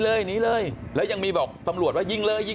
หนีเลยแล้วยังบอกตำรวจว่ายิงเลย